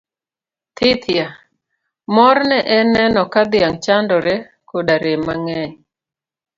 Thithia! Morne en neno ka dhiang' chadore koda rem mang'eny.